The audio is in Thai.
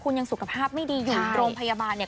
คุณยังสุขภาพไม่ดีอยู่โรงพยาบาลเนี่ย